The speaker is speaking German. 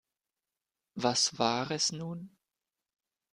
Was war es nur?